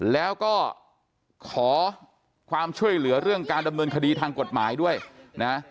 แล้วก็ขอความช่วยเหลือเรื่องการดำเนินคดีทางกฎหมายด้วยนะ